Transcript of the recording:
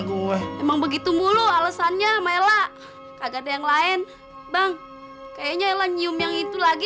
gue emang begitu mulu alasannya mela kagak ada yang lain bang kayaknya ella nyium yang itu lagi